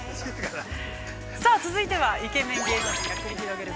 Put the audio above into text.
◆さあ、続いてはイケメン芸能人が繰り広げる